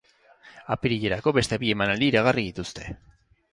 Apirilerako beste bi emanaldi iragarri dituzte.